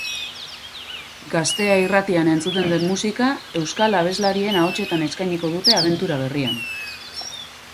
Gaztea irratian entzuten den musika euskal abeslarien ahotsetan eskainiko dute abentura berrian.